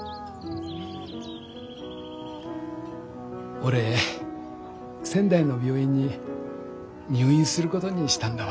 俺仙台の病院に入院することにしたんだわ。